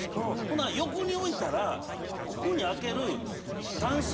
ほんなら横に置いたらここに開ける。